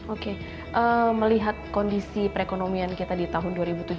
oke melihat kondisi perekonomian kita di tahun dua ribu tujuh belas